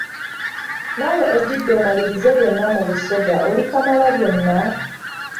Naawe ogidde omalirize byonna mu Busoga oli Kamalabyonna!